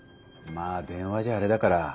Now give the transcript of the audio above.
まあ電話じゃあれだから。